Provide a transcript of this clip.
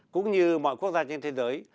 cũng như mọi quốc gia trên thế giới